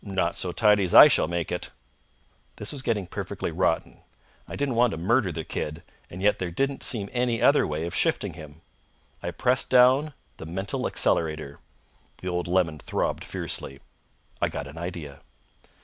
"Not so tidy as I shall make it." This was getting perfectly rotten. I didn't want to murder the kid, and yet there didn't seem any other way of shifting him. I pressed down the mental accelerator. The old lemon throbbed fiercely. I got an idea.